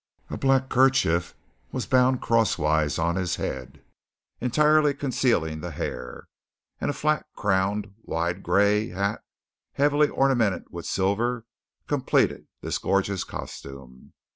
A black kerchief was bound crosswise on his head entirely concealing the hair; and a flat crowned, wide, gray hat heavily ornamented with silver completed this gorgeous costume.